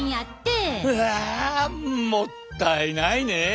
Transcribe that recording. うわもったいないねえ。